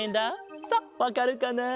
さあわかるかな？